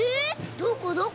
どこどこ？